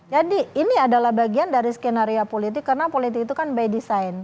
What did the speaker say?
jadi ini adalah bagian dari skenario politik karena politik itu kan by design